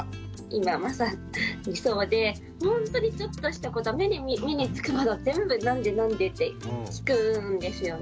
今まさにそうでほんとにちょっとしたこと目につくもの全部「なんでなんで？」って聞くんですよね。